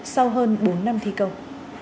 sau hơn bốn năm thi công